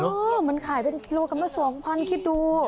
มันขายเป็นกิโลกรัมละ๒๐๐คิดดู